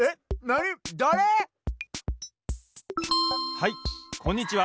はいこんにちは！